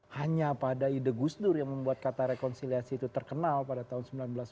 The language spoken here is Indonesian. hanya pada ide gus dur yang membuat kata rekonsiliasi itu terkenal pada tahun seribu sembilan ratus sembilan puluh